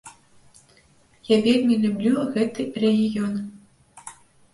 Я вельмі люблю гэты рэгіён.